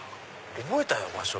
覚えたよ場所。